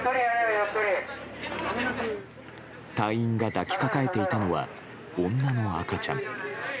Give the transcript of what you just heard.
隊員が抱きかかえていたのは女の赤ちゃん。